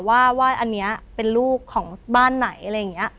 ว่าอันนี้เป็นลูกของบ้านไหนอะไรอย่างนี้